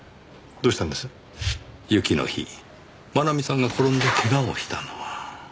雪の日真奈美さんが転んで怪我をしたのは。